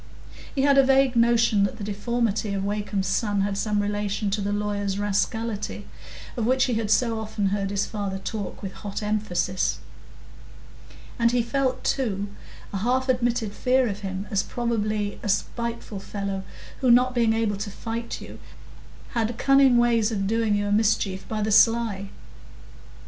He had a vague notion that the deformity of Wakem's son had some relation to the lawyer's rascality, of which he had so often heard his father talk with hot emphasis; and he felt, too, a half admitted fear of him as probably a spiteful fellow, who, not being able to fight you, had cunning ways of doing you a mischief by the sly.